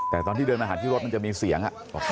แต่ตอนที่เดินมาหาที่รถมันจะมีเสียง